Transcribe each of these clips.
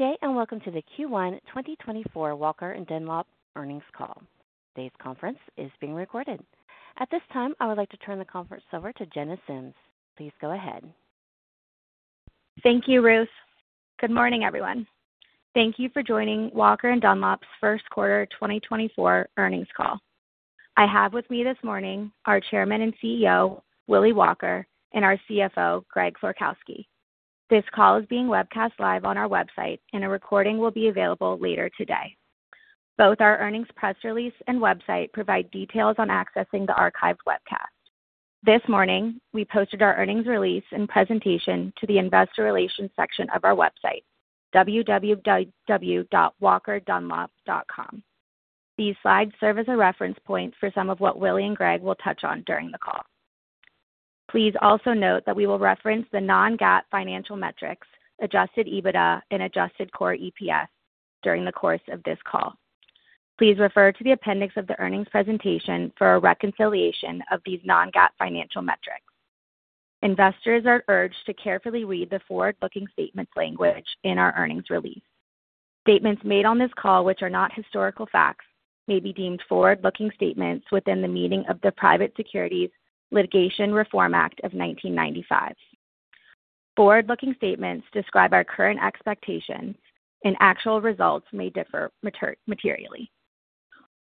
Good day, and welcome to the Q1 2024 Walker & Dunlop Earnings Call. Today's conference is being recorded. At this time, I would like to turn the conference over to Jenna Simms. Please go ahead. Thank you, Ruth. Good morning, everyone. Thank you for joining Walker & Dunlop's First Quarter 2024 Earnings Call. I have with me this morning our Chairman and CEO, Willy Walker, and our CFO, Greg Florkowski. This call is being webcast live on our website, and a recording will be available later today. Both our earnings press release and website provide details on accessing the archived webcast. This morning, we posted our earnings release and presentation to the Investor Relations section of our website, www.walkerdunlop.com. These slides serve as a reference point for some of what Willy and Greg will touch on during the call. Please also note that we will reference the non-GAAP financial metrics, Adjusted EBITDA and Adjusted Core EPS, during the course of this call. Please refer to the appendix of the earnings presentation for a reconciliation of these non-GAAP financial metrics. Investors are urged to carefully read the forward-looking statements language in our earnings release. Statements made on this call, which are not historical facts, may be deemed forward-looking statements within the meaning of the Private Securities Litigation Reform Act of 1995. Forward-looking statements describe our current expectations, and actual results may differ materially.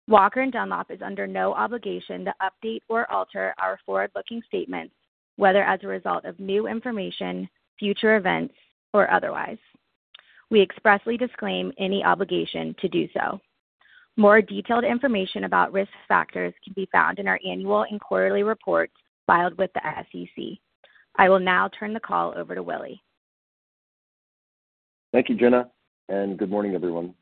Walker & Dunlop is under no obligation to update or alter our forward-looking statements, whether as a result of new information, future events, or otherwise. We expressly disclaim any obligation to do so. More detailed information about risk factors can be found in our annual and quarterly reports filed with the SEC. I will now turn the call over to Willy. Thank you, Jenna, and good morning, everyone.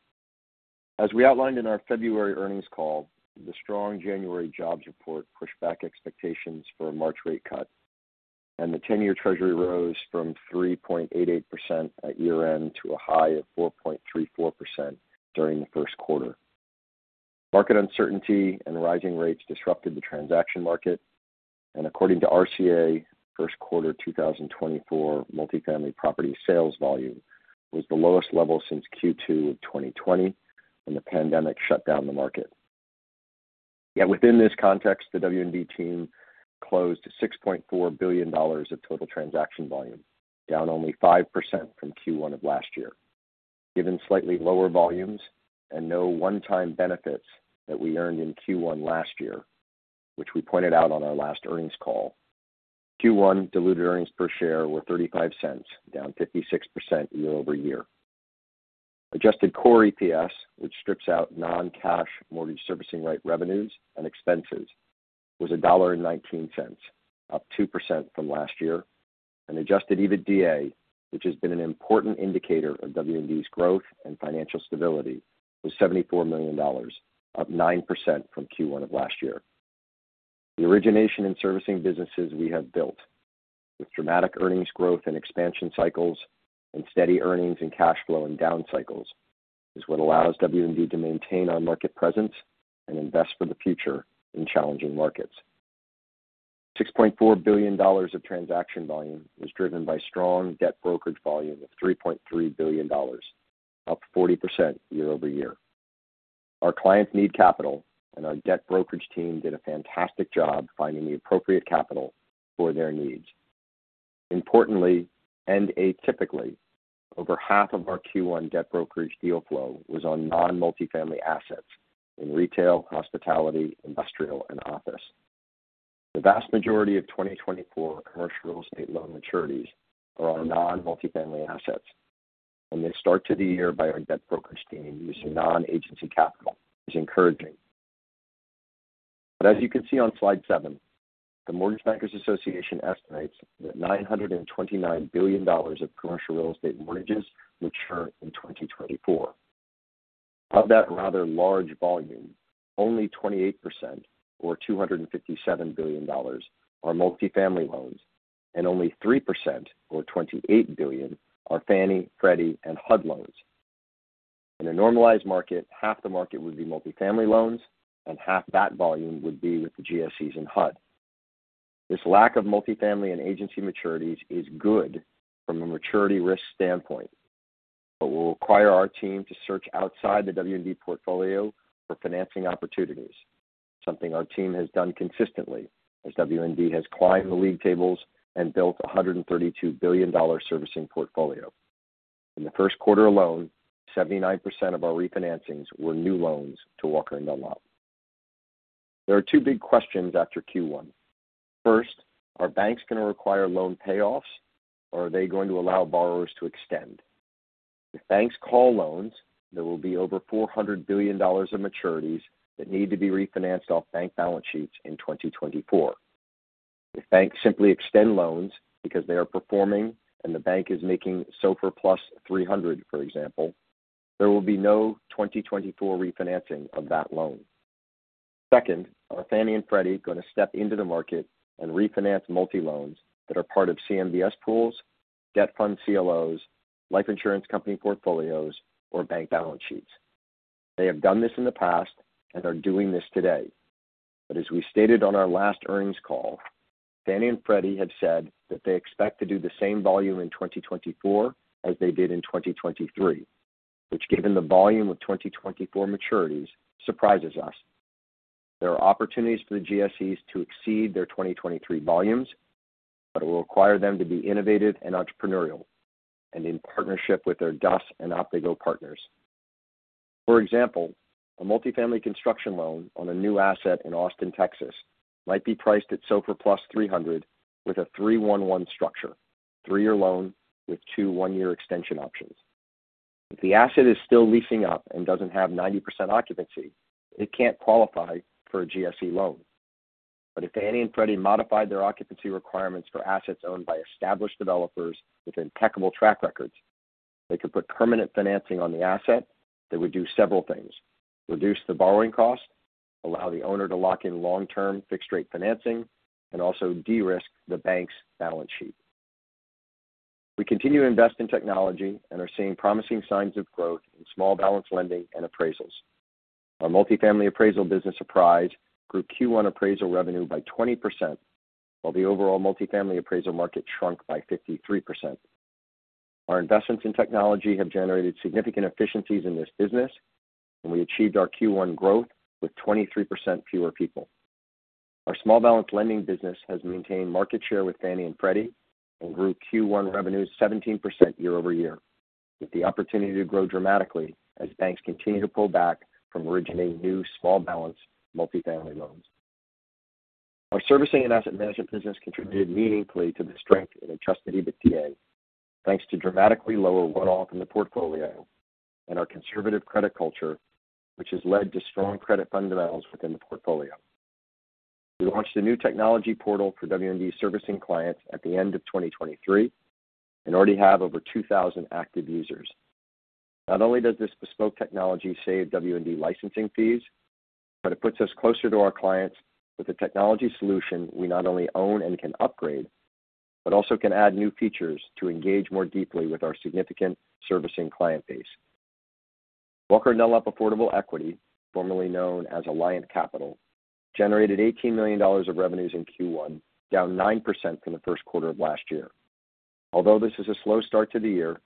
As we outlined in our February earnings call, the strong January jobs report pushed back expectations for a March rate cut, and the 10-year treasury rose from 3.88% at year-end to a high of 4.34% during the first quarter. Market uncertainty and rising rates disrupted the transaction market, and according to RCA, first quarter 2024 multifamily property sales volume was the lowest level since Q2 of 2020, when the pandemic shut down the market. Yet within this context, the W&D team closed $6.4 billion of total transaction volume, down only 5% from Q1 of last year. Given slightly lower volumes and no one-time benefits that we earned in Q1 last year, which we pointed out on our last earnings call, Q1 diluted earnings per share were $0.35, down 56% year-over-year. Adjusted Core EPS, which strips out non-cash mortgage servicing right revenues and expenses, was $1.19, up 2% from last year, and Adjusted EBITDA, which has been an important indicator of W&D's growth and financial stability, was $74 million, up 9% from Q1 of last year. The origination and servicing businesses we have built, with dramatic earnings growth and expansion cycles and steady earnings and cash flow in down cycles, is what allows W&D to maintain our market presence and invest for the future in challenging markets. $6.4 billion of transaction volume was driven by strong debt brokerage volume of $3.3 billion, up 40% year-over-year. Our clients need capital, and our debt brokerage team did a fantastic job finding the appropriate capital for their needs. Importantly, and atypically, over half of our Q1 debt brokerage deal flow was on non-multifamily assets in retail, hospitality, industrial, and office. The vast majority of 2024 commercial real estate loan maturities are on non-multifamily assets, and they start to the year by our debt brokerage team using non-agency capital is encouraging. But as you can see on slide 7, the Mortgage Bankers Association estimates that $929 billion of commercial real estate mortgages mature in 2024. Of that rather large volume, only 28%, or $257 billion, are multifamily loans, and only 3%, or $28 billion, are Fannie, Freddie, and HUD loans. In a normalized market, half the market would be multifamily loans and half that volume would be with the GSEs and HUD. This lack of multifamily and agency maturities is good from a maturity risk standpoint, but will require our team to search outside the W&D portfolio for financing opportunities, something our team has done consistently as W&D has climbed the league tables and built a $132 billion servicing portfolio. In the first quarter alone, 79% of our refinancings were new loans to Walker & Dunlop. There are two big questions after Q1. First, are banks going to require loan payoffs, or are they going to allow borrowers to extend? If banks call loans, there will be over $400 billion of maturities that need to be refinanced off bank balance sheets in 2024. If banks simply extend loans because they are performing and the bank is making SOFR plus 300, for example, there will be no 2024 refinancing of that loan. Second, are Fannie and Freddie going to step into the market and refinance multi loans that are part of CMBS pools, debt fund CLOs, life insurance company portfolios, or bank balance sheets? They have done this in the past and are doing this today. But as we stated on our last earnings call, Fannie and Freddie have said that they expect to do the same volume in 2024 as they did in 2023, which, given the volume of 2024 maturities, surprises us. There are opportunities for the GSEs to exceed their 2023 volumes, but it will require them to be innovative and entrepreneurial and in partnership with their DUS and Optigo partners. For example, a multifamily construction loan on a new asset in Austin, Texas, might be priced at SOFR plus 300, with a 3-1-1 structure, three-year loan with two one-year extension options. If the asset is still leasing up and doesn't have 90% occupancy, it can't qualify for a GSE loan. But if Fannie and Freddie modified their occupancy requirements for assets owned by established developers with impeccable track records, they could put permanent financing on the asset that would do several things: reduce the borrowing cost, allow the owner to lock in long-term fixed-rate financing, and also de-risk the bank's balance sheet. We continue to invest in technology and are seeing promising signs of growth in small balance lending and appraisals. Our multifamily appraisal business, Apprise, grew Q1 appraisal revenue by 20%, while the overall multifamily appraisal market shrunk by 53%. Our investments in technology have generated significant efficiencies in this business, and we achieved our Q1 growth with 23% fewer people. Our small balance lending business has maintained market share with Fannie and Freddie and grew Q1 revenues 17% year-over-year, with the opportunity to grow dramatically as banks continue to pull back from originating new small balance multifamily loans. Our servicing and asset management business contributed meaningfully to the strength in Adjusted EBITDA, thanks to dramatically lower runoff in the portfolio and our conservative credit culture, which has led to strong credit fundamentals within the portfolio. We launched a new technology portal for W&D servicing clients at the end of 2023 and already have over 2,000 active users. Not only does this bespoke technology save W&D licensing fees, but it puts us closer to our clients with a technology solution we not only own and can upgrade, but also can add new features to engage more deeply with our significant servicing client base. Walker & Dunlop Affordable Equity, formerly known as Alliant Capital, generated $18 million of revenues in Q1, down 9% from the first quarter of last year. Although this is a slow start to the year,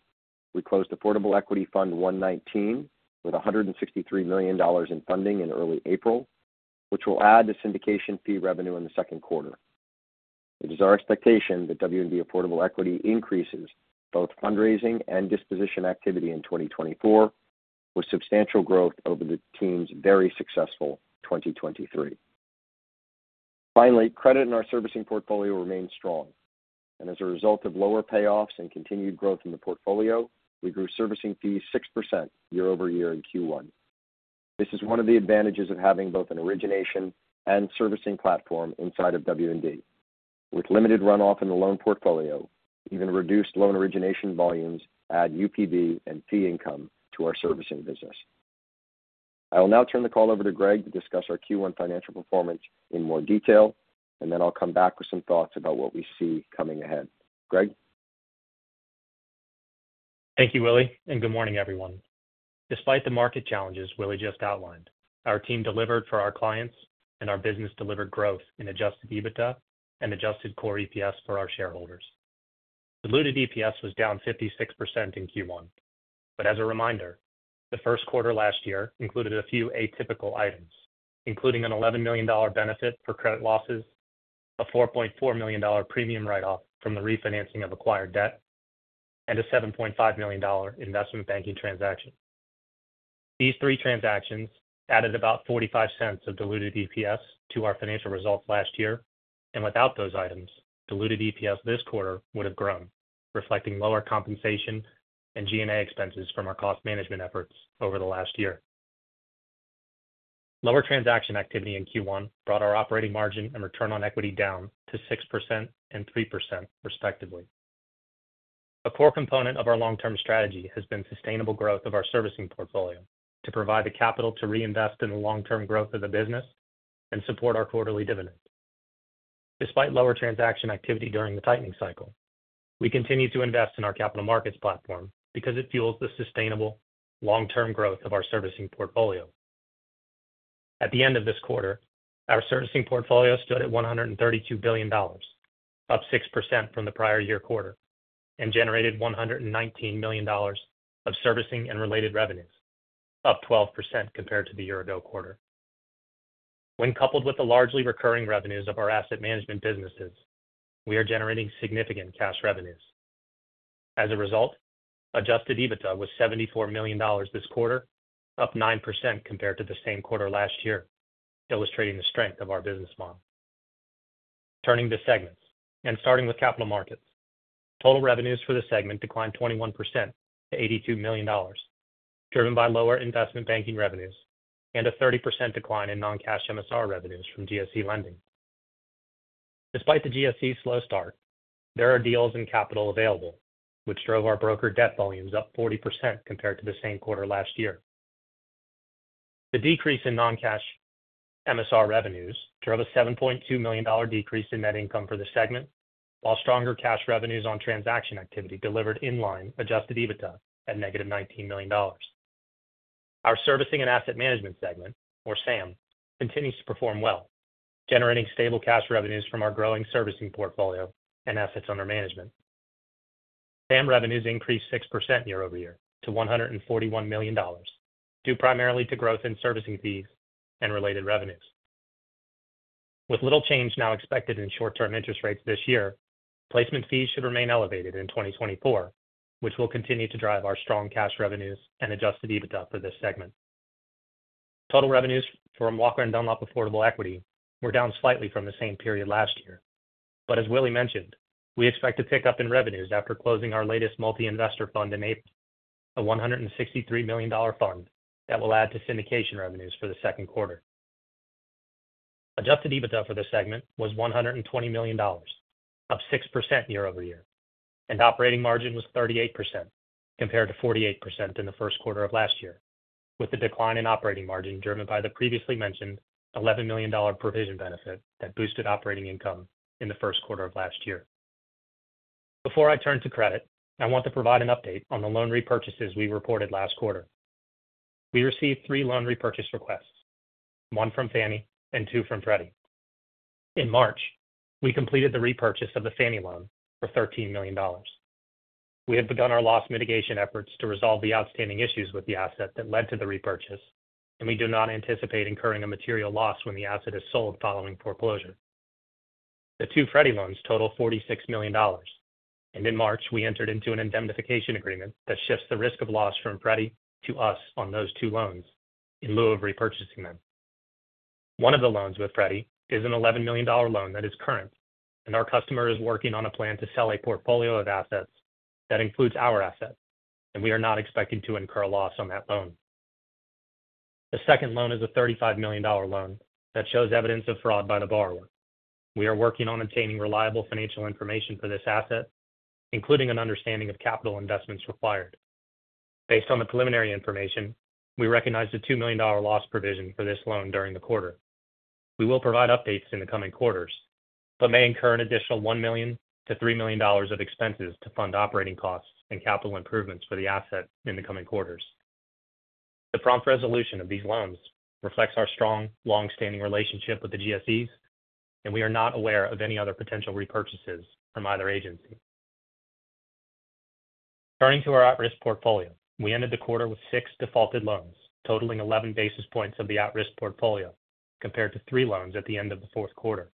we closed Affordable Equity Fund 119, with $163 million in funding in early April, which will add to syndication fee revenue in the second quarter. It is our expectation that W&D Affordable Equity increases both fundraising and disposition activity in 2024, with substantial growth over the team's very successful 2023. Finally, credit in our servicing portfolio remains strong, and as a result of lower payoffs and continued growth in the portfolio, we grew servicing fees 6% year-over-year in Q1. This is one of the advantages of having both an origination and servicing platform inside of W&D. With limited runoff in the loan portfolio, even reduced loan origination volumes add UPB and fee income to our servicing business. I will now turn the call over to Greg to discuss our Q1 financial performance in more detail, and then I'll come back with some thoughts about what we see coming ahead. Greg? Thank you, Willy, and good morning, everyone. Despite the market challenges Willy just outlined, our team delivered for our clients, and our business delivered growth in Adjusted EBITDA and Adjusted Core EPS for our shareholders. Diluted EPS was down 56% in Q1, but as a reminder, the first quarter last year included a few atypical items, including an $11 million benefit for credit losses, a $4.4 million premium write-off from the refinancing of acquired debt, and a $7.5 million investment banking transaction. These three transactions added about $0.45 of diluted EPS to our financial results last year, and without those items, diluted EPS this quarter would have grown, reflecting lower compensation and G&A expenses from our cost management efforts over the last year. Lower transaction activity in Q1 brought our operating margin and return on equity down to 6% and 3%, respectively. A core component of our long-term strategy has been sustainable growth of our servicing portfolio to provide the capital to reinvest in the long-term growth of the business and support our quarterly dividend. Despite lower transaction activity during the tightening cycle, we continue to invest in our capital markets platform because it fuels the sustainable long-term growth of our servicing portfolio. At the end of this quarter, our servicing portfolio stood at $132 billion, up 6% from the prior year quarter, and generated $119 million of servicing and related revenues, up 12% compared to the year ago quarter. When coupled with the largely recurring revenues of our asset management businesses, we are generating significant cash revenues. As a result, Adjusted EBITDA was $74 million this quarter, up 9% compared to the same quarter last year, illustrating the strength of our business model. Turning to segments, and starting with capital markets. Total revenues for the segment declined 21% to $82 million, driven by lower investment banking revenues and a 30% decline in non-cash MSR revenues from GSE lending. Despite the GSE's slow start, there are deals and capital available, which drove our broker debt volumes up 40% compared to the same quarter last year. The decrease in non-cash MSR revenues drove a $7.2 million decrease in net income for the segment, while stronger cash revenues on transaction activity delivered in-line Adjusted EBITDA at negative $19 million. Our servicing and asset management segment, or SAM, continues to perform well, generating stable cash revenues from our growing servicing portfolio and assets under management. SAM revenues increased 6% year-over-year to $141 million, due primarily to growth in servicing fees and related revenues. With little change now expected in short-term interest rates this year, placement fees should remain elevated in 2024, which will continue to drive our strong cash revenues and Adjusted EBITDA for this segment. Total revenues from Walker & Dunlop Affordable Equity were down slightly from the same period last year. But as Willy mentioned, we expect to pick up in revenues after closing our latest multi-investor fund in April, a $163 million fund that will add to syndication revenues for the second quarter. Adjusted EBITDA for this segment was $120 million, up 6% year-over-year, and operating margin was 38%, compared to 48% in the first quarter of last year, with the decline in operating margin driven by the previously mentioned $11 million provision benefit that boosted operating income in the first quarter of last year. Before I turn to credit, I want to provide an update on the loan repurchases we reported last quarter. We received three loan repurchase requests, one from Fannie and two from Freddie. In March, we completed the repurchase of the Fannie loan for $13 million. We have begun our loss mitigation efforts to resolve the outstanding issues with the asset that led to the repurchase, and we do not anticipate incurring a material loss when the asset is sold following foreclosure. The two Freddie loans total $46 million, and in March, we entered into an indemnification agreement that shifts the risk of loss from Freddie to us on those two loans in lieu of repurchasing them. One of the loans with Freddie is an $11 million loan that is current, and our customer is working on a plan to sell a portfolio of assets that includes our asset, and we are not expecting to incur a loss on that loan. The second loan is a $35 million loan that shows evidence of fraud by the borrower. We are working on obtaining reliable financial information for this asset, including an understanding of capital investments required. Based on the preliminary information, we recognized a $2 million loss provision for this loan during the quarter. We will provide updates in the coming quarters, but may incur an additional $1 million-$3 million of expenses to fund operating costs and capital improvements for the asset in the coming quarters. The prompt resolution of these loans reflects our strong, long-standing relationship with the GSEs, and we are not aware of any other potential repurchases from either agency. Turning to our at-risk portfolio, we ended the quarter with six defaulted loans, totaling 11 basis points of the at-risk portfolio, compared to three loans at the end of the fourth quarter.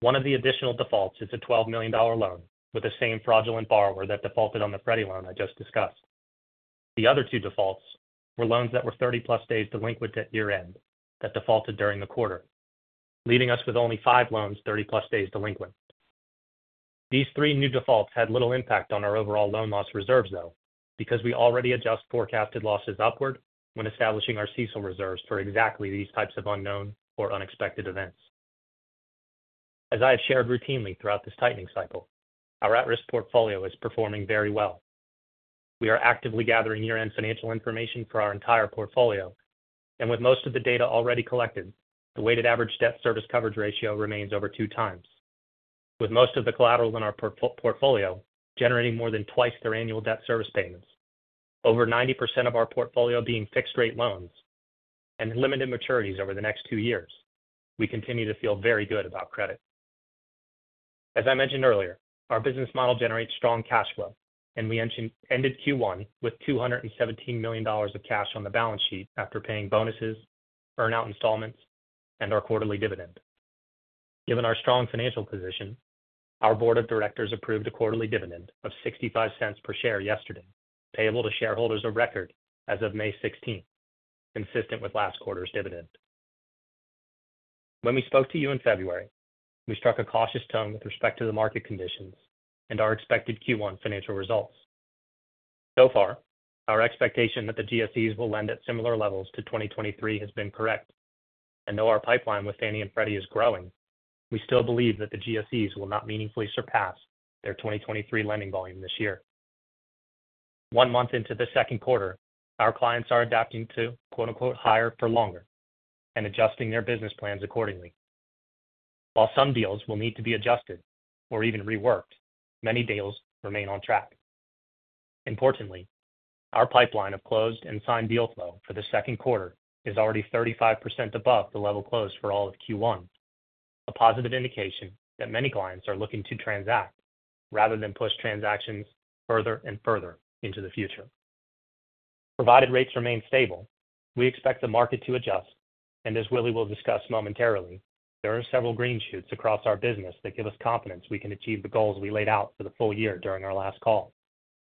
One of the additional defaults is a $12 million loan with the same fraudulent borrower that defaulted on the Freddie loan I just discussed. The other two defaults were loans that were 30+ days delinquent at year-end, that defaulted during the quarter, leaving us with only five loans, 30+ days delinquent. These three new defaults had little impact on our overall loan loss reserves, though, because we already adjust forecasted losses upward when establishing our CECL reserves for exactly these types of unknown or unexpected events. As I have shared routinely throughout this tightening cycle, our at-risk portfolio is performing very well. We are actively gathering year-end financial information for our entire portfolio, and with most of the data already collected, the weighted average debt service coverage ratio remains over two times. With most of the collateral in our portfolio generating more than twice their annual debt service payments, over 90% of our portfolio being fixed-rate loans and limited maturities over the next two years, we continue to feel very good about credit. As I mentioned earlier, our business model generates strong cash flow, and we ended Q1 with $217 million of cash on the balance sheet after paying bonuses, earn-out installments, and our quarterly dividend. Given our strong financial position, our board of directors approved a quarterly dividend of $0.65 per share yesterday, payable to shareholders of record as of May sixteenth, consistent with last quarter's dividend. When we spoke to you in February, we struck a cautious tone with respect to the market conditions and our expected Q1 financial results. So far, our expectation that the GSEs will lend at similar levels to 2023 has been correct, and though our pipeline with Fannie and Freddie is growing, we still believe that the GSEs will not meaningfully surpass their 2023 lending volume this year. One month into the second quarter, our clients are adapting to “higher for longer” and adjusting their business plans accordingly. While some deals will need to be adjusted or even reworked, many deals remain on track. Importantly, our pipeline of closed and signed deal flow for the second quarter is already 35% above the level closed for all of Q1, a positive indication that many clients are looking to transact rather than push transactions further and further into the future. Provided rates remain stable, we expect the market to adjust, and as Willy will discuss momentarily, there are several green shoots across our business that give us confidence we can achieve the goals we laid out for the full year during our last call.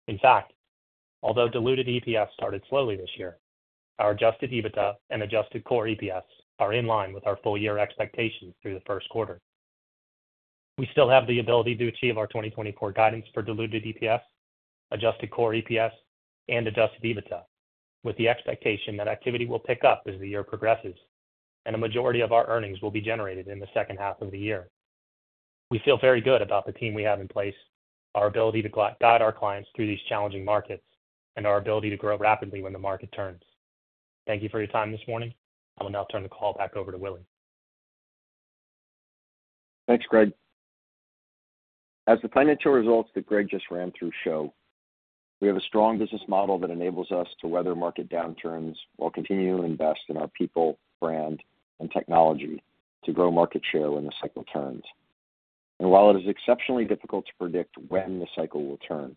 In fact, although diluted EPS started slowly this year, our Adjusted EBITDA and Adjusted Core EPS are in line with our full-year expectations through the first quarter. We still have the ability to achieve our 2024 guidance for diluted EPS, Adjusted Core EPS, and Adjusted EBITDA, with the expectation that activity will pick up as the year progresses and a majority of our earnings will be generated in the second half of the year. ...We feel very good about the team we have in place, our ability to guide our clients through these challenging markets, and our ability to grow rapidly when the market turns. Thank you for your time this morning. I will now turn the call back over to Willy. Thanks, Greg. As the financial results that Greg just ran through show, we have a strong business model that enables us to weather market downturns while continuing to invest in our people, brand, and technology to grow market share when the cycle turns. While it is exceptionally difficult to predict when the cycle will turn,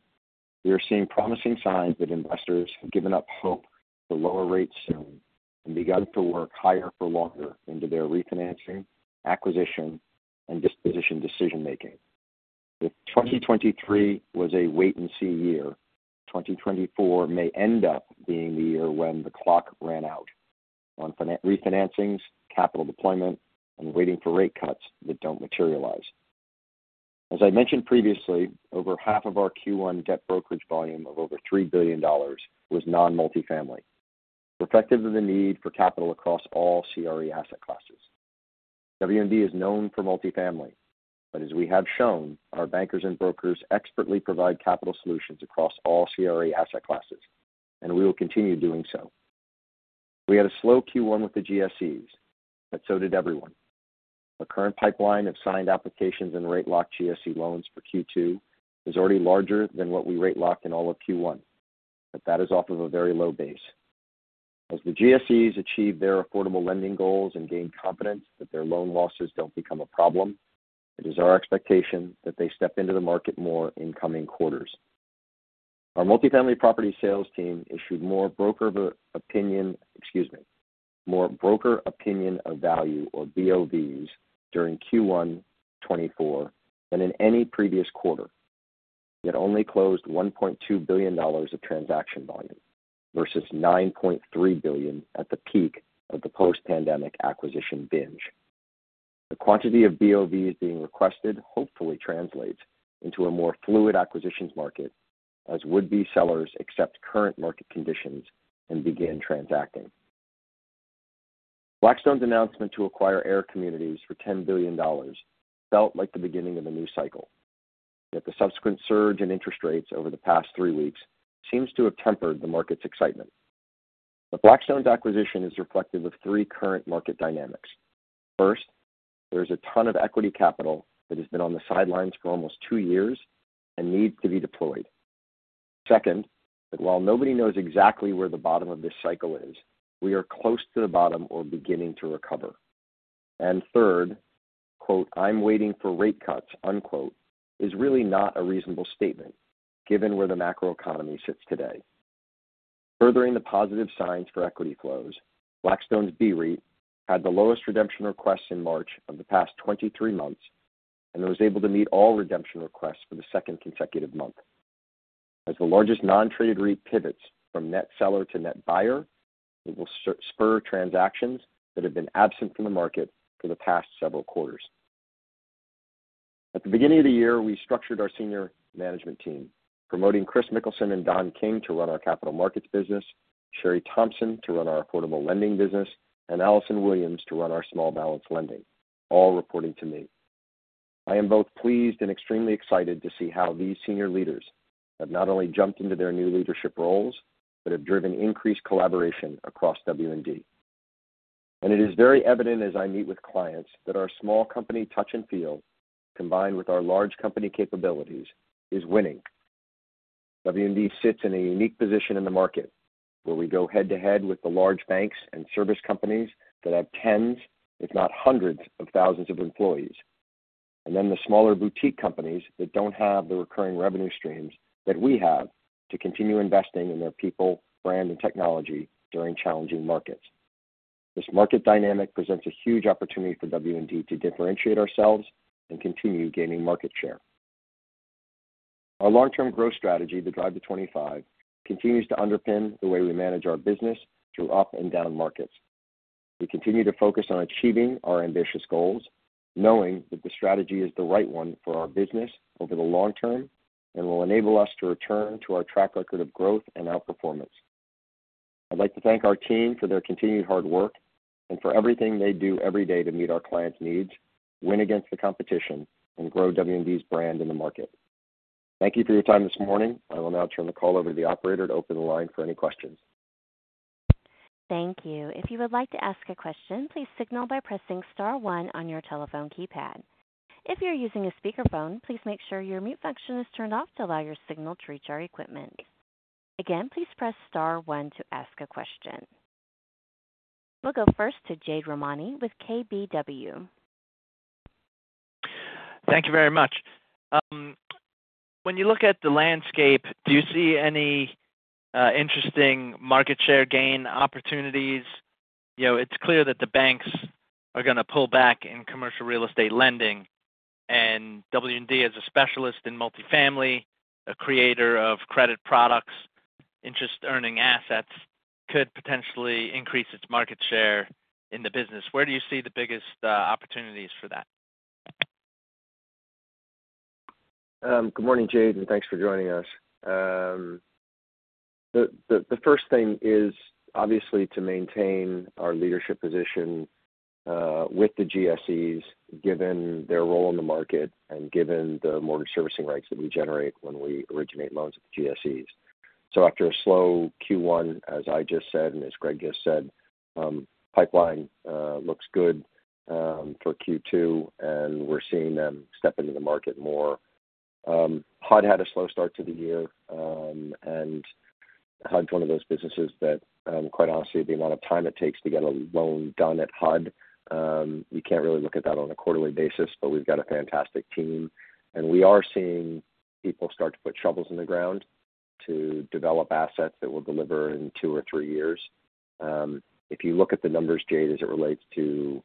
we are seeing promising signs that investors have given up hope for lower rates soon and begun to work higher for longer into their refinancing, acquisition, and disposition decision-making. If 2023 was a wait-and-see year, 2024 may end up being the year when the clock ran out on refinancings, capital deployment, and waiting for rate cuts that don't materialize. As I mentioned previously, over half of our Q1 debt brokerage volume of over $3 billion was non-multifamily, reflective of the need for capital across all CRE asset classes. W&D is known for multifamily, but as we have shown, our bankers and brokers expertly provide capital solutions across all CRE asset classes, and we will continue doing so. We had a slow Q1 with the GSEs, but so did everyone. The current pipeline of signed applications and rate locked GSE loans for Q2 is already larger than what we rate locked in all of Q1, but that is off of a very low base. As the GSEs achieve their affordable lending goals and gain confidence that their loan losses don't become a problem, it is our expectation that they step into the market more in coming quarters. Our multifamily property sales team issued more broker opinion, excuse me, more broker opinion of value, or BOVs, during Q1 2024 than in any previous quarter. It only closed $1.2 billion of transaction volume versus $9.3 billion at the peak of the post-pandemic acquisition binge. The quantity of BOVs being requested hopefully translates into a more fluid acquisitions market, as would-be sellers accept current market conditions and begin transacting. Blackstone's announcement to acquire AIR Communities for $10 billion felt like the beginning of a new cycle, yet the subsequent surge in interest rates over the past three weeks seems to have tempered the market's excitement. Blackstone's acquisition is reflective of three current market dynamics. First, there is a ton of equity capital that has been on the sidelines for almost two years and needs to be deployed. Second, that while nobody knows exactly where the bottom of this cycle is, we are close to the bottom or beginning to recover. And third, quote, "I'm waiting for rate cuts," unquote, is really not a reasonable statement given where the macroeconomy sits today. Furthering the positive signs for equity flows, Blackstone's BREIT had the lowest redemption requests in March of the past 23 months and was able to meet all redemption requests for the second consecutive month. As the largest non-traded REIT pivots from net seller to net buyer, it will spur transactions that have been absent from the market for the past several quarters. At the beginning of the year, we structured our senior management team, promoting Kris Mikkelsen and Don King to run our capital markets business, Sheri Thompson to run our affordable lending business, and Alison Williams to run our small balance lending, all reporting to me. I am both pleased and extremely excited to see how these senior leaders have not only jumped into their new leadership roles, but have driven increased collaboration across W&D. It is very evident as I meet with clients that our small company touch and feel, combined with our large company capabilities, is winning. W&D sits in a unique position in the market, where we go head-to-head with the large banks and service companies that have 10s, if not 100s, of thousands of employees, and then the smaller boutique companies that don't have the recurring revenue streams that we have to continue investing in their people, brand, and technology during challenging markets. This market dynamic presents a huge opportunity for W&D to differentiate ourselves and continue gaining market share. Our long-term growth strategy, the Drive to 25, continues to underpin the way we manage our business through up and down markets. We continue to focus on achieving our ambitious goals, knowing that the strategy is the right one for our business over the long term and will enable us to return to our track record of growth and outperformance. I'd like to thank our team for their continued hard work and for everything they do every day to meet our clients' needs, win against the competition, and grow W&D's brand in the market. Thank you for your time this morning. I will now turn the call over to the operator to open the line for any questions. Thank you. If you would like to ask a question, please signal by pressing star one on your telephone keypad. If you're using a speakerphone, please make sure your mute function is turned off to allow your signal to reach our equipment. Again, please press star one to ask a question. We'll go first to Jade Rahmani with KBW. Thank you very much. When you look at the landscape, do you see any interesting market share gain opportunities? You know, it's clear that the banks are gonna pull back in commercial real estate lending, and W&D, as a specialist in multifamily, a creator of credit products, interest earning assets, could potentially increase its market share in the business. Where do you see the biggest opportunities for that? ... Good morning, Jade, and thanks for joining us. The first thing is obviously to maintain our leadership position with the GSEs, given their role in the market and given the mortgage servicing rights that we generate when we originate loans with the GSEs. So after a slow Q1, as I just said, and as Greg just said, pipeline looks good for Q2, and we're seeing them step into the market more. HUD had a slow start to the year, and HUD's one of those businesses that, quite honestly, the amount of time it takes to get a loan done at HUD, we can't really look at that on a quarterly basis, but we've got a fantastic team. We are seeing people start to put shovels in the ground to develop assets that will deliver in two or three years. If you look at the numbers, Jade, as it relates to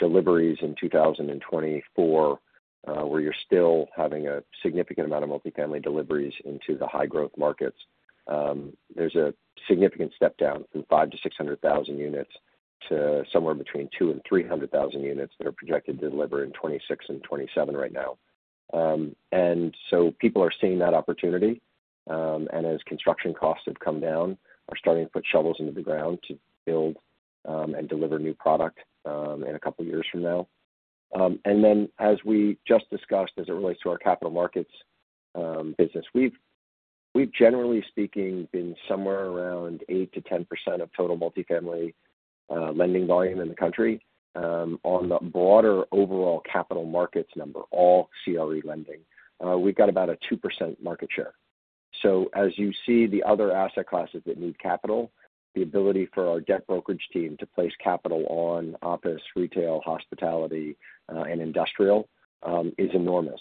deliveries in 2024, where you're still having a significant amount of multifamily deliveries into the high-growth markets, there's a significant step down from 500,000-600,000 units to somewhere between 200,000 and 300,000 units that are projected to deliver in 2026 and 2027 right now. And so people are seeing that opportunity, and as construction costs have come down, are starting to put shovels into the ground to build, and deliver new product, in a couple of years from now. And then, as we just discussed, as it relates to our capital markets business, we've, we've generally speaking, been somewhere around 8%-10% of total multifamily lending volume in the country. On the broader overall capital markets number, all CRE lending, we've got about a 2% market share. So as you see the other asset classes that need capital, the ability for our debt brokerage team to place capital on office, retail, hospitality, and industrial, is enormous.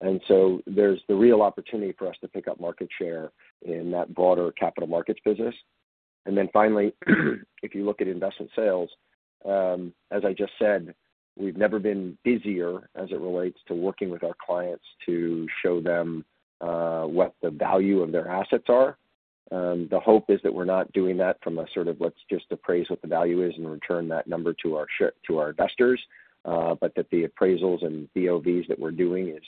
And so there's the real opportunity for us to pick up market share in that broader capital markets business. And then finally, if you look at investment sales, as I just said, we've never been busier as it relates to working with our clients to show them, what the value of their assets are. The hope is that we're not doing that from a sort of, "Let's just appraise what the value is and return that number to our investors," but that the appraisals and BOVs that we're doing is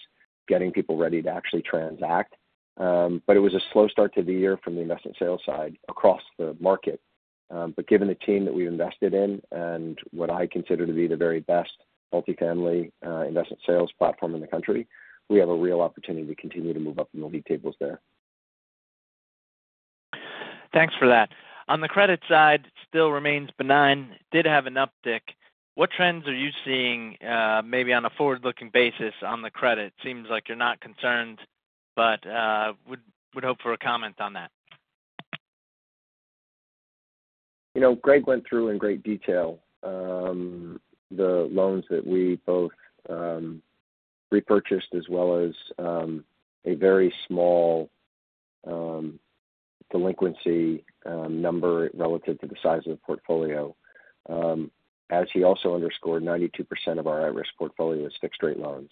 getting people ready to actually transact. But it was a slow start to the year from the investment sales side across the market. But given the team that we've invested in and what I consider to be the very best multifamily, investment sales platform in the country, we have a real opportunity to continue to move up in the league tables there. Thanks for that. On the credit side, still remains benign, did have an uptick. What trends are you seeing, maybe on a forward-looking basis on the credit? Seems like you're not concerned, but would hope for a comment on that. You know, Greg went through in great detail the loans that we both repurchased, as well as a very small delinquency number relative to the size of the portfolio. As he also underscored, 92% of our high-risk portfolio is fixed-rate loans.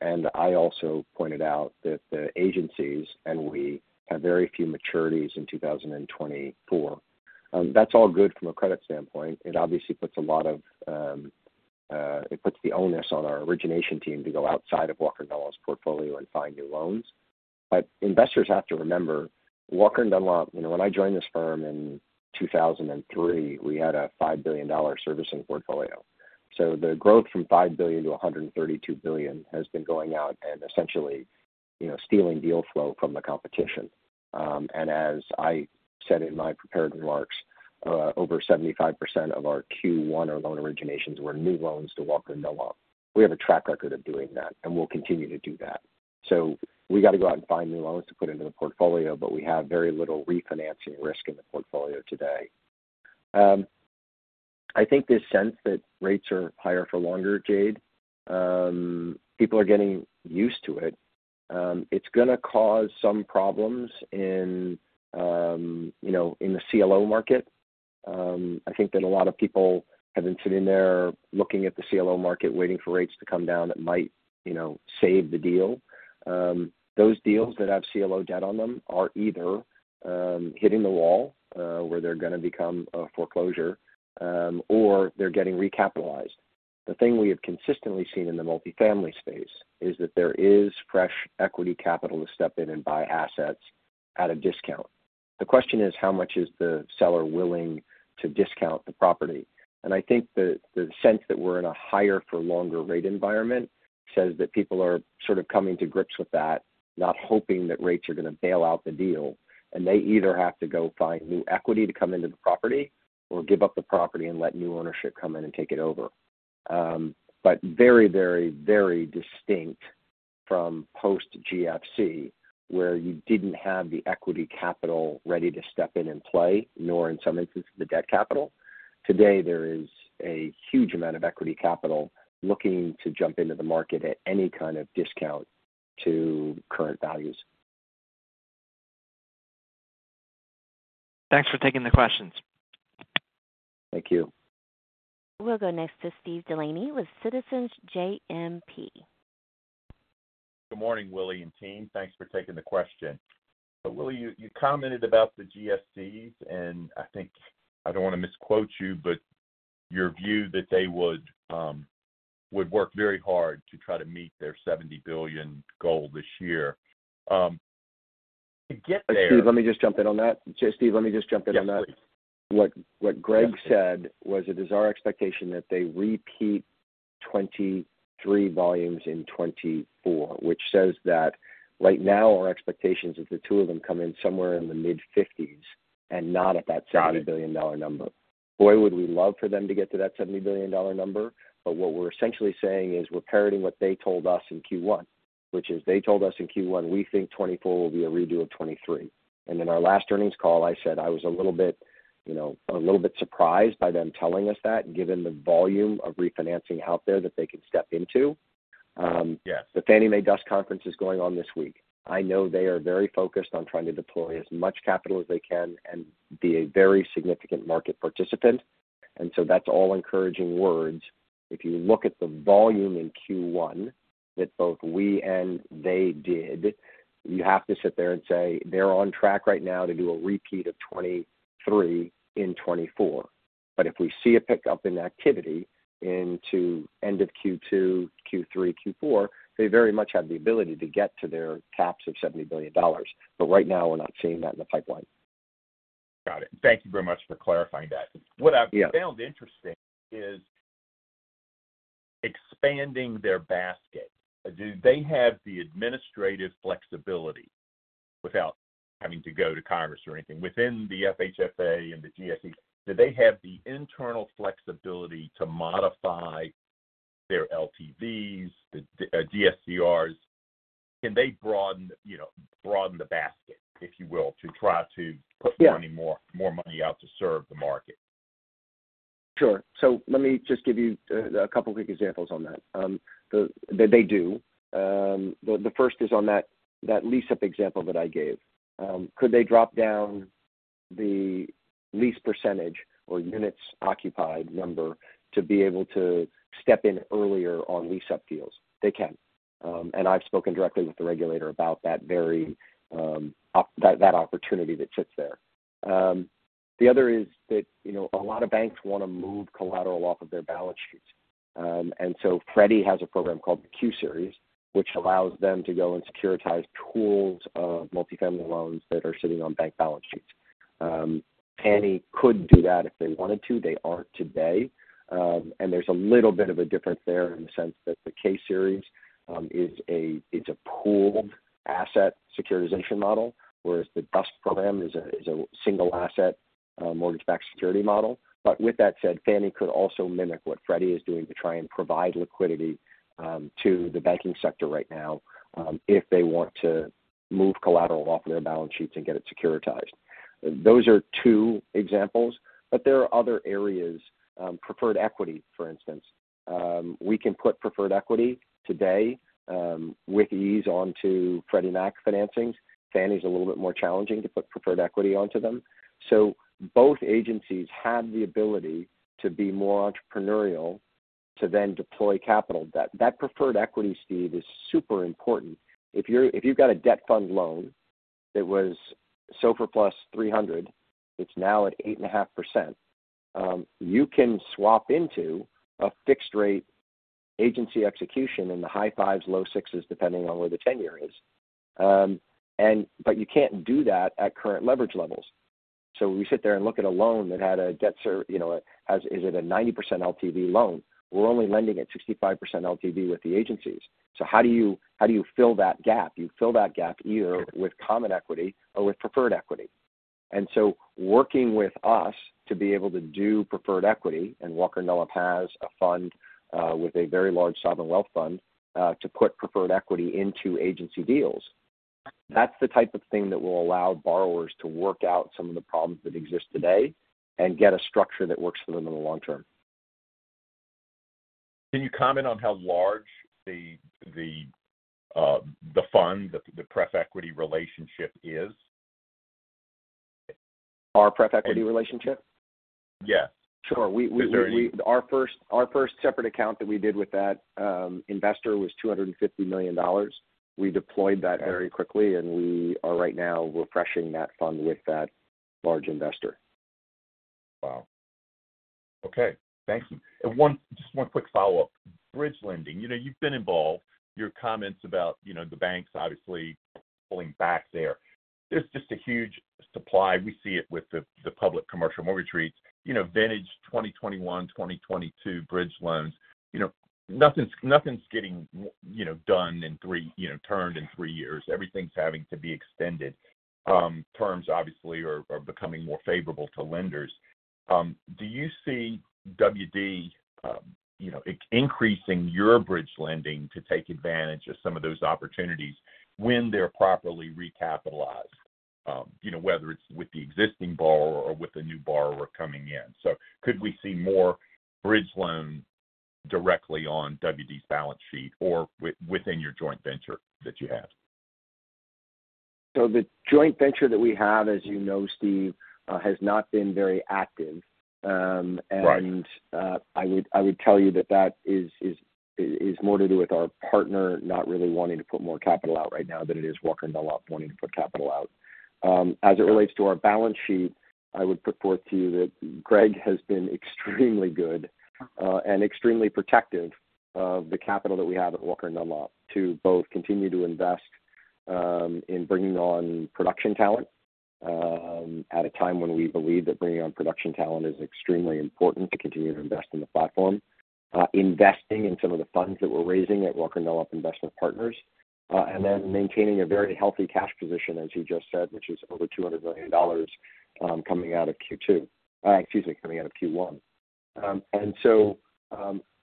And I also pointed out that the agencies, and we have very few maturities in 2024. That's all good from a credit standpoint. It obviously puts a lot of, it puts the onus on our origination team to go outside of Walker & Dunlop's portfolio and find new loans. But investors have to remember, Walker & Dunlop, you know, when I joined this firm in 2003, we had a $5 billion servicing portfolio. So the growth from $5 billion-$132 billion has been going out and essentially, you know, stealing deal flow from the competition. And as I said in my prepared remarks, over 75% of our Q1, our loan originations, were new loans to Walker & Dunlop. We have a track record of doing that, and we'll continue to do that. So we got to go out and find new loans to put into the portfolio, but we have very little refinancing risk in the portfolio today. I think this sense that rates are higher for longer, Jade, people are getting used to it. It's gonna cause some problems in, you know, in the CLO market. I think that a lot of people have been sitting there looking at the CLO market, waiting for rates to come down. That might, you know, save the deal. Those deals that have CLO debt on them are either hitting the wall, where they're gonna become a foreclosure, or they're getting recapitalized. The thing we have consistently seen in the multifamily space is that there is fresh equity capital to step in and buy assets at a discount. The question is: How much is the seller willing to discount the property? And I think the sense that we're in a higher for longer rate environment says that people are sort of coming to grips with that, not hoping that rates are gonna bail out the deal. And they either have to go find new equity to come into the property or give up the property and let new ownership come in and take it over. But very, very, very distinct from post-GFC, where you didn't have the equity capital ready to step in and play, nor in some instances, the debt capital. Today, there is a huge amount of equity capital looking to jump into the market at any kind of discount to current values. Thanks for taking the questions. Thank you. We'll go next to Steve Delaney with Citizens JMP. Good morning, Willy and team. Thanks for taking the question. So Willy, you commented about the GSEs, and I think I don't want to misquote you, but-... your view that they would work very hard to try to meet their $70 billion goal this year. To get there- Steve, let me just jump in on that. Steve, let me just jump in on that. Yes, please. What Greg said was, it is our expectation that they repeat 23 volumes in 2024, which says that right now, our expectations is the two of them come in somewhere in the mid-50s and not at that- Got it. $70 billion number. Boy, would we love for them to get to that $70 billion number, but what we're essentially saying is we're parroting what they told us in Q1, which is they told us in Q1, we think 2024 will be a redo of 2023. And in our last earnings call, I said I was a little bit, you know, a little bit surprised by them telling us that, given the volume of refinancing out there that they could step into. Yes. The Fannie Mae DUS conference is going on this week. I know they are very focused on trying to deploy as much capital as they can and be a very significant market participant, and so that's all encouraging words. If you look at the volume in Q1 that both we and they did, you have to sit there and say: They're on track right now to do a repeat of 2023 in 2024. But if we see a pickup in activity into end of Q2, Q3, Q4, they very much have the ability to get to their caps of $70 billion. But right now, we're not seeing that in the pipeline. Got it. Thank you very much for clarifying that. Yeah. What I found interesting is expanding their basket. Do they have the administrative flexibility without having to go to Congress or anything, within the FHFA and the GSE, do they have the internal flexibility to modify their LTVs, the DSCRs? Can they broaden, you know, broaden the basket, if you will, to try to- Yeah -put more money out to serve the market? Sure. So let me just give you a couple of quick examples on that. They do. The first is on that lease-up example that I gave. Could they drop down the lease percentage or units occupied number to be able to step in earlier on lease-up deals? They can. And I've spoken directly with the regulator about that very opportunity that sits there. The other is that, you know, a lot of banks wanna move collateral off of their balance sheets. And so Freddie has a program called the Q-Series, which allows them to go and securitize pools of multifamily loans that are sitting on bank balance sheets. Fannie could do that if they wanted to. They aren't today. And there's a little bit of a difference there in the sense that the K-Series is a pooled asset securitization model, whereas the DUS program is a single asset mortgage-backed security model. But with that said, Fannie could also mimic what Freddie is doing to try and provide liquidity to the banking sector right now, if they want to move collateral off their balance sheets and get it securitized. Those are two examples, but there are other areas, preferred equity, for instance. We can put preferred equity today with ease onto Freddie Mac financings. Fannie is a little bit more challenging to put preferred equity onto them. So both agencies have the ability to be more entrepreneurial to then deploy capital. That preferred equity, Steve, is super important. If you've got a debt fund loan that was SOFR plus 300, it's now at 8.5%, you can swap into a fixed rate agency execution in the high fives, low six, depending on where the tenure is. But you can't do that at current leverage levels. So we sit there and look at a loan that had a debt serv-- you know, as is it a 90% LTV loan? We're only lending at 65% LTV with the agencies. So how do you, how do you fill that gap? You fill that gap either with common equity or with preferred equity. And so working with us to be able to do preferred equity, and Walker & Dunlop has a fund with a very large sovereign wealth fund to put preferred equity into agency deals. That's the type of thing that will allow borrowers to work out some of the problems that exist today and get a structure that works for them in the long term. Can you comment on how large the fund, the pref equity relationship is? Our pref equity relationship? Yes. Sure. Is there any- Our first separate account that we did with that investor was $250 million. We deployed that very quickly, and we are right now refreshing that fund with that large investor. Wow. Okay, thank you. And just one quick follow-up. Bridge lending, you know, you've been involved. Your comments about, you know, the banks obviously pulling back there. There's just a huge supply. We see it with the public commercial mortgage REITs, you know, vintage 2021, 2022 bridge loans. You know, nothing's getting done in three years. Everything's having to be extended. Terms, obviously, are becoming more favorable to lenders. Do you see WD, you know, increasing your bridge lending to take advantage of some of those opportunities when they're properly recapitalized? You know, whether it's with the existing borrower or with a new borrower coming in. So could we see more bridge loans directly on WD's balance sheet or within your joint venture that you have? The joint venture that we have, as you know, Steve, has not been very active. Right. I would tell you that that is more to do with our partner not really wanting to put more capital out right now than it is Walker & Dunlop wanting to put capital out. As it relates to our balance sheet, I would put forth to you that Greg has been extremely good and extremely protective of the capital that we have at Walker & Dunlop to both continue to invest in bringing on production talent at a time when we believe that bringing on production talent is extremely important to continue to invest in the platform. Investing in some of the funds that we're raising at Walker & Dunlop Investment Partners, and then maintaining a very healthy cash position, as you just said, which is over $200 million, coming out of Q1. And so,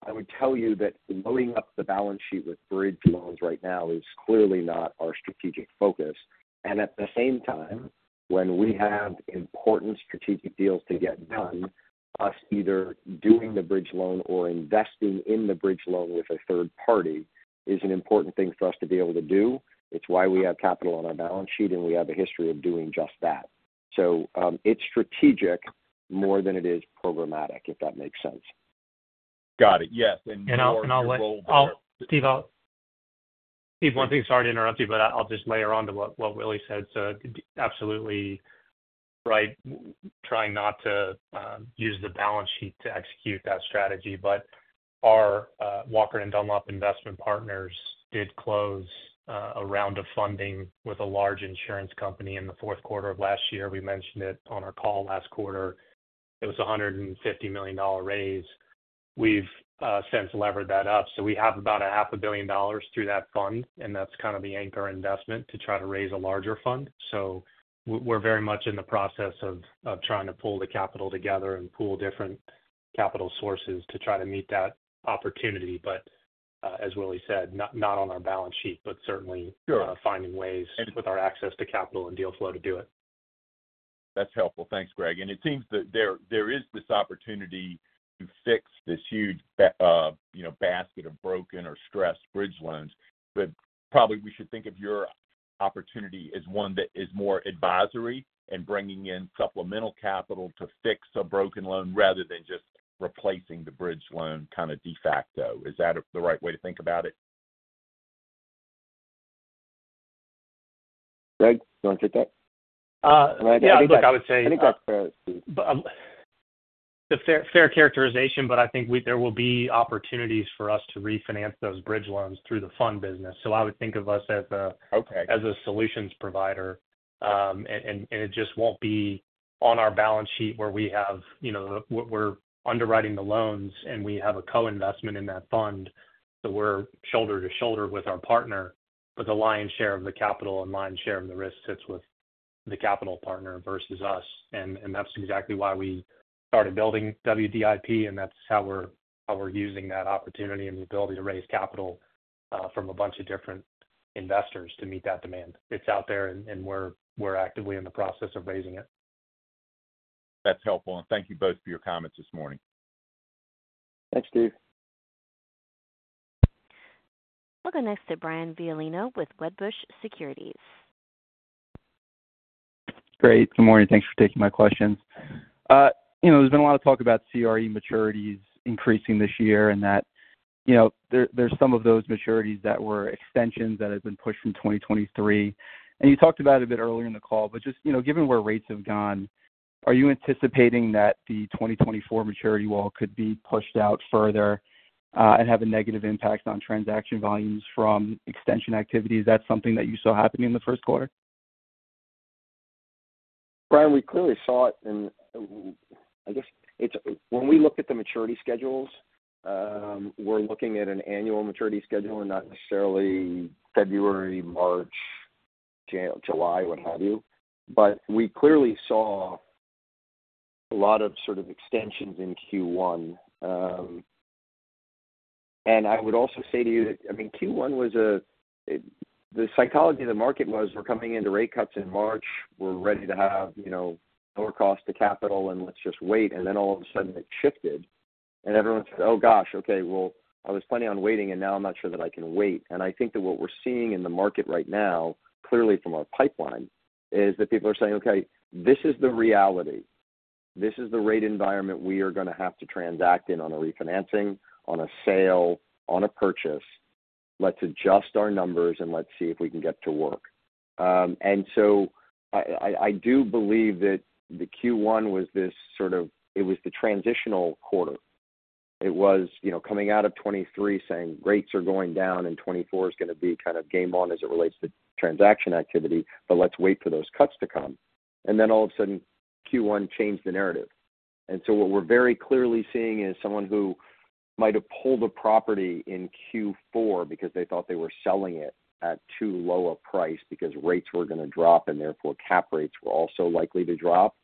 I would tell you that loading up the balance sheet with bridge loans right now is clearly not our strategic focus. And at the same time, when we have important strategic deals to get done, us either doing the bridge loan or investing in the bridge loan with a third party is an important thing for us to be able to do. It's why we have capital on our balance sheet, and we have a history of doing just that. So, it's strategic more than it is programmatic, if that makes sense. Got it. Yes, and- I'll let Steve, one thing, sorry to interrupt you, but I'll just layer on to what Willy said. So absolutely right, trying not to use the balance sheet to execute that strategy. But our Walker & Dunlop Investment Partners did close a round of funding with a large insurance company in the fourth quarter of last year. We mentioned it on our call last quarter. It was a $150 million raise. We've since levered that up, so we have about $500 million through that fund, and that's kind of the anchor investment to try to raise a larger fund. So we're very much in the process of trying to pull the capital together and pool different capital sources to try to meet that opportunity. But, as Willy said, not, not on our balance sheet, but certainly- Sure. - finding ways with our access to capital and deal flow to do it. That's helpful. Thanks, Greg. And it seems that there is this opportunity to fix this huge basket of broken or stressed bridge loans. But probably we should think of your opportunity as one that is more advisory and bringing in supplemental capital to fix a broken loan, rather than just replacing the bridge loan kind of de facto. Is that the right way to think about it? Greg, you want to take that? Yeah, look, I would say- I think that's. A fair, fair characterization, but I think we... There will be opportunities for us to refinance those bridge loans through the fund business. So I would think of us as a- Okay... as a solutions provider, and it just won't be on our balance sheet where we have, you know, we're underwriting the loans, and we have a co-investment in that fund. So we're shoulder to shoulder with our partner, but the lion's share of the capital and lion's share of the risk sits with the capital partner versus us, and that's exactly why we started building WDIP, and that's how we're using that opportunity and the ability to raise capital from a bunch of different investors to meet that demand. It's out there, and we're actively in the process of raising it. That's helpful, and thank you both for your comments this morning. Thanks, Steve. We'll go next to Brian Violino with Wedbush Securities. Great. Good morning. Thanks for taking my questions. You know, there's been a lot of talk about CRE maturities increasing this year, and that, you know, there, there's some of those maturities that were extensions that have been pushed from 2023. And you talked about a bit earlier in the call, but just, you know, given where rates have gone, are you anticipating that the 2024 maturity wall could be pushed out further, and have a negative impact on transaction volumes from extension activity? Is that something that you saw happening in the first quarter? Brian, we clearly saw it in, I guess it's when we look at the maturity schedules, we're looking at an annual maturity schedule and not necessarily February, March, January, July, what have you. But we clearly saw a lot of sort of extensions in Q1. And I would also say to you that, I mean, Q1 was the psychology of the market was we're coming into rate cuts in March. We're ready to have, you know, lower cost to capital and let's just wait. And then all of a sudden it shifted, and everyone said, "Oh, gosh, okay, well, I was planning on waiting, and now I'm not sure that I can wait." And I think that what we're seeing in the market right now, clearly from our pipeline, is that people are saying, "Okay, this is the reality. This is the rate environment we are going to have to transact in on a refinancing, on a sale, on a purchase. Let's adjust our numbers, and let's see if we can get to work." And so I do believe that the Q1 was this sort of... It was, you know, coming out of 2023, saying rates are going down, and 2024 is going to be kind of game on as it relates to transaction activity, but let's wait for those cuts to come. And then all of a sudden, Q1 changed the narrative. And so what we're very clearly seeing is someone who might have pulled a property in Q4 because they thought they were selling it at too low a price because rates were going to drop, and therefore, cap rates were also likely to drop.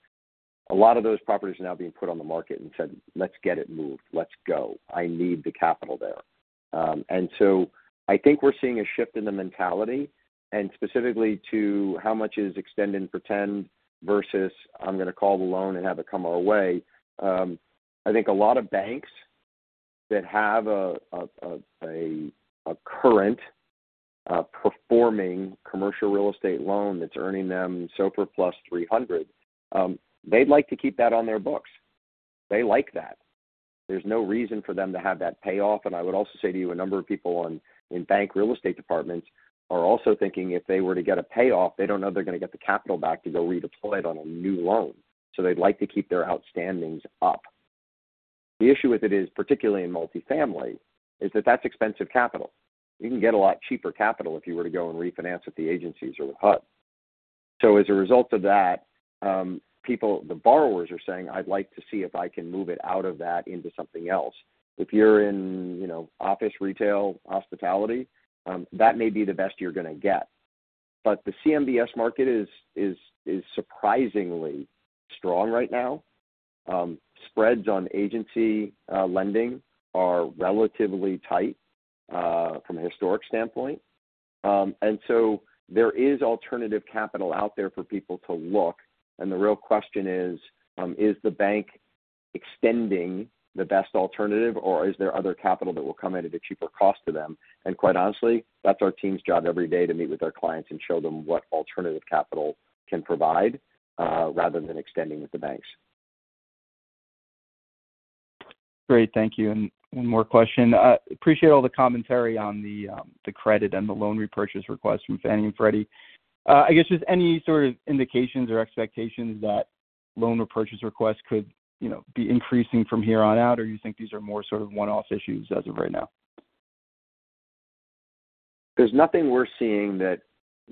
A lot of those properties are now being put on the market and said, "Let's get it moved. Let's go. I need the capital there." And so I think we're seeing a shift in the mentality and specifically to how much is extend and pretend versus I'm going to call the loan and have it come our way. I think a lot of banks that have a current performing commercial real estate loan that's earning them SOFR plus 300, they'd like to keep that on their books. They like that. There's no reason for them to have that pay off. And I would also say to you, a number of people in bank real estate departments are also thinking if they were to get a payoff, they don't know they're going to get the capital back to go redeploy it on a new loan. So they'd like to keep their outstandings up. The issue with it is, particularly in multifamily, is that that's expensive capital. You can get a lot cheaper capital if you were to go and refinance with the agencies or with HUD. So as a result of that, people, the borrowers are saying, "I'd like to see if I can move it out of that into something else." If you're in, you know, office retail, hospitality, that may be the best you're gonna get. But the CMBS market is surprisingly strong right now. Spreads on agency lending are relatively tight from a historic standpoint. So there is alternative capital out there for people to look. The real question is, is the bank extending the best alternative, or is there other capital that will come in at a cheaper cost to them? Quite honestly, that's our team's job every day, to meet with our clients and show them what alternative capital can provide rather than extending with the banks. Great. Thank you. And one more question. Appreciate all the commentary on the, the credit and the loan repurchase request from Fannie and Freddie. I guess, just any sort of indications or expectations that loan repurchase requests could, you know, be increasing from here on out, or you think these are more sort of one-off issues as of right now? There's nothing we're seeing in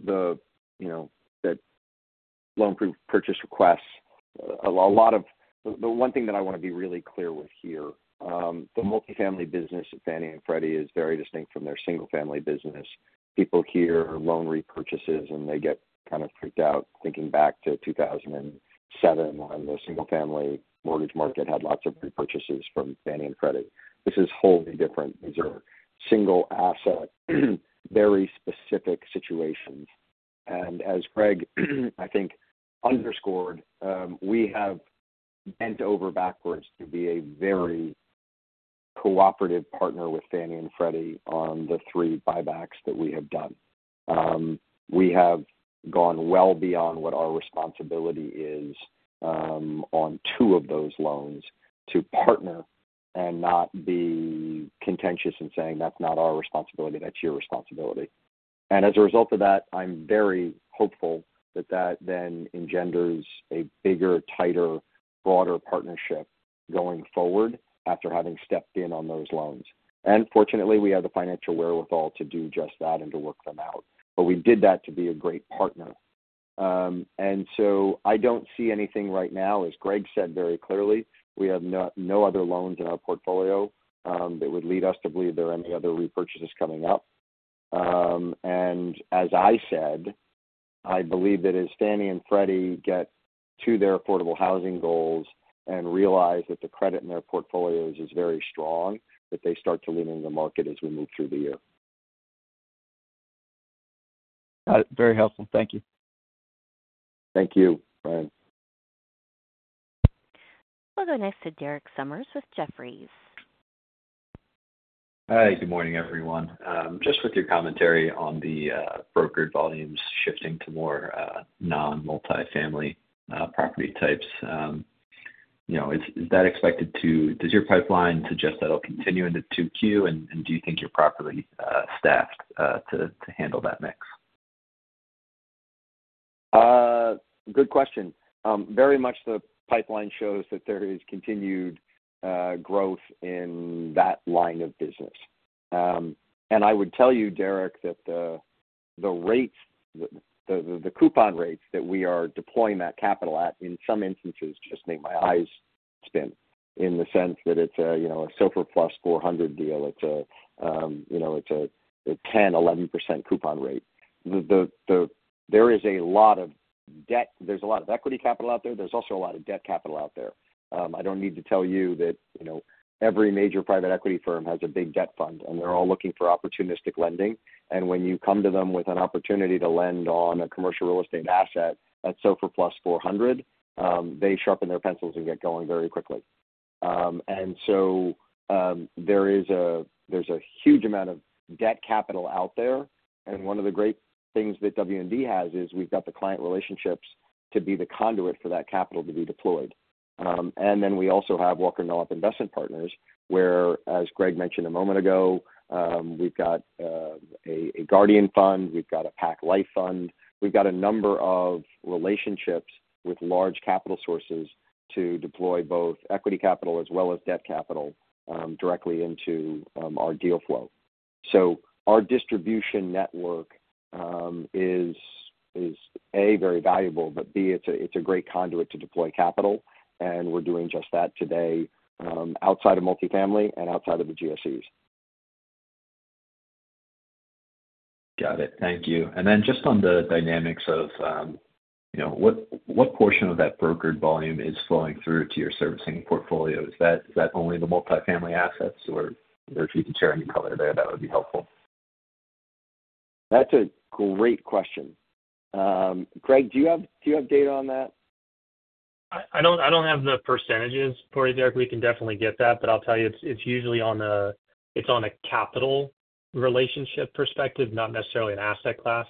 the, you know, loan repurchase requests. The one thing that I wanna be really clear with here, the multifamily business of Fannie and Freddie is very distinct from their single-family business. People hear loan repurchases, and they get kind of freaked out, thinking back to 2007, when the single-family mortgage market had lots of repurchases from Fannie and Freddie. This is wholly different. These are single asset, very specific situations. And as Greg, I think underscored, we have bent over backwards to be a very cooperative partner with Fannie and Freddie on the three buybacks that we have done. We have gone well beyond what our responsibility is on two of those loans to partner and not be contentious in saying, "That's not our responsibility, that's your responsibility." And as a result of that, I'm very hopeful that that then engenders a bigger, tighter, broader partnership going forward after having stepped in on those loans. And fortunately, we have the financial wherewithal to do just that and to work them out. But we did that to be a great partner. And so I don't see anything right now. As Greg said very clearly, we have no, no other loans in our portfolio that would lead us to believe there are any other repurchases coming up. As I said, I believe that as Fannie and Freddie get to their affordable housing goals and realize that the credit in their portfolios is very strong, that they start to lean into the market as we move through the year. Very helpful. Thank you. Thank you, Brian. We'll go next to Derek Sommers with Jefferies. Hi, good morning, everyone. Just with your commentary on the brokered volumes shifting to more non-multifamily property types, you know, is that expected to—Does your pipeline suggest that'll continue into 2Q? And do you think you're properly staffed to handle that mix? Good question. Very much the pipeline shows that there is continued growth in that line of business. And I would tell you, Derek, that the rates, the coupon rates that we are deploying that capital at, in some instances, just make my eyes spin, in the sense that it's a, you know, a SOFR plus 400 deal. It's a, you know, it's a 10%-11% coupon rate. There is a lot of debt. There's a lot of equity capital out there. There's also a lot of debt capital out there. I don't need to tell you that, you know, every major private equity firm has a big debt fund, and they're all looking for opportunistic lending. And when you come to them with an opportunity to lend on a commercial real estate asset, that's SOFR plus 400, they sharpen their pencils and get going very quickly. And so, there is a huge amount of debt capital out there, and one of the great things that W&D has is we've got the client relationships to be the conduit for that capital to be deployed. And then we also have Walker & Dunlop Investment Partners, where, as Greg mentioned a moment ago, we've got a Guardian fund, we've got a Pac Life fund. We've got a number of relationships with large capital sources to deploy both equity capital as well as debt capital, directly into our deal flow. So our distribution network is A, very valuable, but B, it's a great conduit to deploy capital, and we're doing just that today, outside of multifamily and outside of the GSEs. Got it. Thank you. And then just on the dynamics of, you know, what, what portion of that brokered volume is flowing through to your servicing portfolio? Is that, is that only the multifamily assets, or if you can share any color there, that would be helpful. That's a great question. Greg, do you have, do you have data on that? I don't have the percentages for you, Derek. We can definitely get that, but I'll tell you, it's usually on a capital relationship perspective, not necessarily an asset class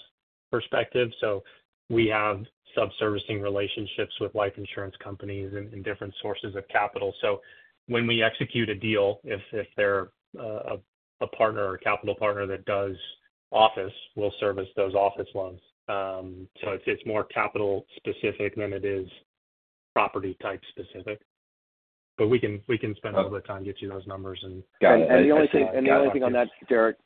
perspective. So we have sub-servicing relationships with life insurance companies and different sources of capital. So when we execute a deal, if there is a partner or a capital partner that does office, we'll service those office loans. So it's more capital-specific than it is property type specific, but we can spend a little bit of time to get you those numbers and- Got it. And the only thing on that, Derek,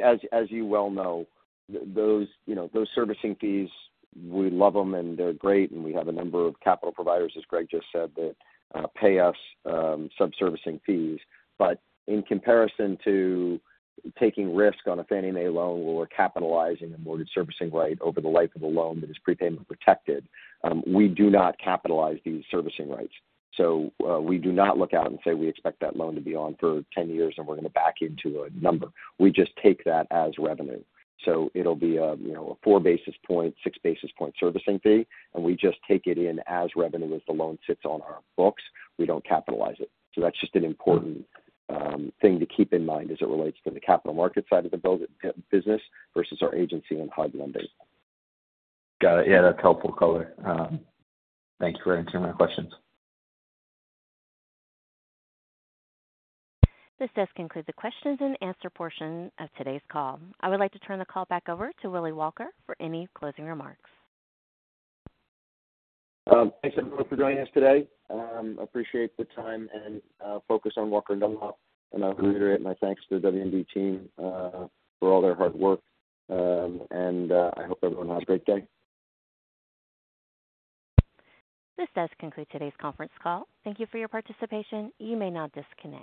as you well know, those, you know, those servicing fees, we love them, and they're great, and we have a number of capital providers, as Greg just said, that pay us sub-servicing fees. But in comparison to taking risk on a Fannie Mae loan, where we're capitalizing a mortgage servicing right over the life of a loan that is prepayment protected, we do not capitalize these servicing rights. So we do not look out and say we expect that loan to be on for 10 years and we're gonna back into a number. We just take that as revenue. So it'll be a, you know, a 4 basis point, 6 basis point servicing fee, and we just take it in as revenue as the loan sits on our books, we don't capitalize it. So that's just an important thing to keep in mind as it relates to the capital market side of the build business versus our agency and hard lending. Got it. Yeah, that's helpful color. Thank you for answering my questions. This does conclude the questions and answer portion of today's call. I would like to turn the call back over to Willy Walker for any closing remarks. Thanks, everyone, for joining us today. Appreciate the time and focus on Walker & Dunlop. And I'll reiterate my thanks to the W&D team for all their hard work. I hope everyone has a great day. This does conclude today's conference call. Thank you for your participation. You may now disconnect.